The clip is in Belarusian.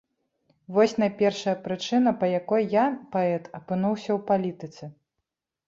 Вось найпершая прычына, па якой я, паэт, апынуўся ў палітыцы.